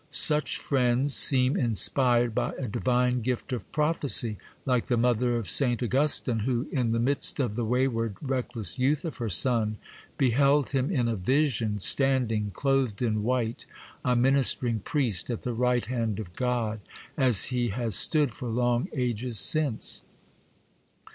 Such friends seem inspired by a divine gift of prophecy,—like the mother of St. Augustine, who, in the midst of the wayward, reckless youth of her son, beheld him in a vision, standing, clothed in white, a ministering priest at the right hand of God—as he has stood for long ages since.